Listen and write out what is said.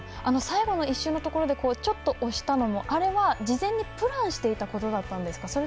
最後の１周のところでちょっと押したのもあれは事前にプランしていたことだったんですか？